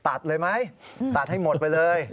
ตัดเลยไหมตัดให้หมดไปเลย